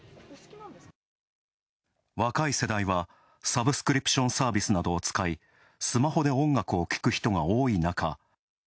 若い世代は、サブスクリプションサービスなどを使い、スマホで音楽を聴く人が多い中